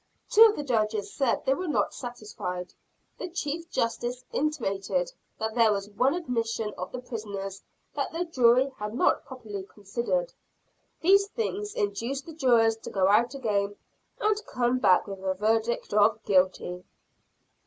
Two of the Judges said they were not satisfied. The Chief Justice intimated that there was one admission of the prisoner that the jury had not properly considered. These things induced the jurors to go out again, and come back with a verdict of "Guilty."